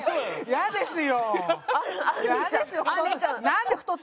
嫌ですよ。